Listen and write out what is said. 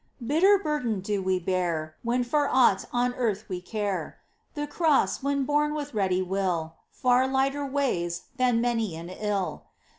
Bitter burden do we bear When for aught on earth we care. The cross, when borne with ready will, Far lighter weighs than many an ill.